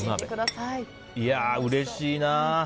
いやー、うれしいな。